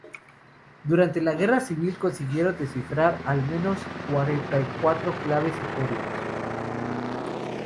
Durante la guerra civil consiguieron descifrar, al menos, cuarenta y cuatro claves y códigos.